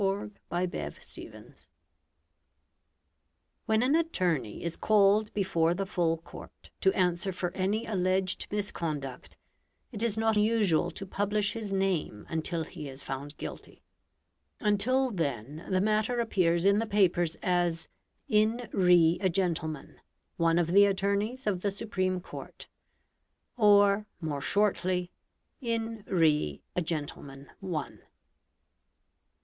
"In Re a Gentleman, One" When an attorney is called before the Full Court to answer for any alleged misconduct it is not usual to publish his name until he is found guilty; until then the matter appears in the papers as "In re a Gentleman, One of the Attorneys of the Supreme Court", or, more shortly, "In re a Gentleman, One".